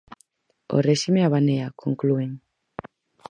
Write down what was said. O réxime abanea, conclúen.